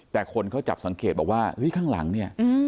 แต่คนเขาจับสังเกตบอกว่าเฮ้ยข้างหลังเนี่ย